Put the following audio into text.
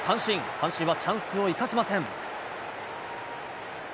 阪神はチャンスを生かせません。